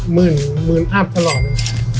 หมื่นหมื่นอัพตลอด